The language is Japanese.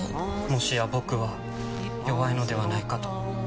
もしや僕は弱いのではないかと。